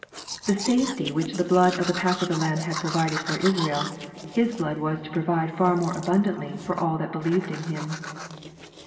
The safety which the blood of the passover lamb had provided for Israel, His blood was to provide far more abundantly for all that believed in Him.